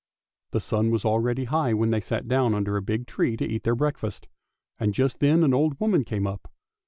The sun was already high when they sat down under a big tree to eat their breakfast, and just then an old woman came up.